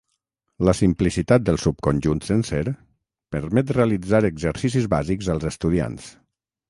La simplicitat del subconjunt sencer permet realitzar exercicis bàsics als estudiants.